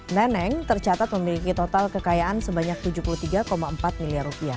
neneng tercatat memiliki total kekayaan sebanyak rp tujuh puluh tiga empat miliar